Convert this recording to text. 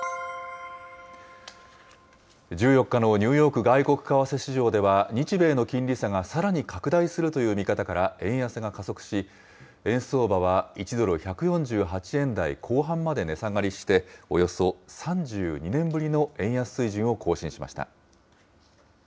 １４日のニューヨーク外国為替市場では、日米の金利差がさらに拡大するという見方から円安が加速し、円相場は１ドル１４８円台後半まで値下がりして、およそ３２年ぶりの円安水準を更新しました。